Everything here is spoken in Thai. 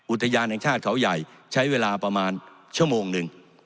อุทยานแห่งชาติเขาใหญ่ใช้เวลาประมาณชั่วโมงหนึ่ง